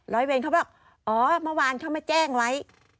ร้อยเวรเขาบอกอ๋อเมื่อวานเขามาแจ้งไว้